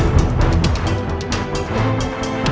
mumpung gak ada yang ngeliat